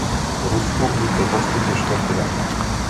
Rusku unikl postup do čtvrtfinále.